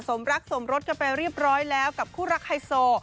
สมรักสมรสกันไปเรียบร้อยแล้วกับคู่รักไฮโซ